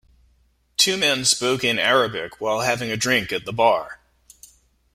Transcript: Two men spoke in Arabic while having a drink at the bar.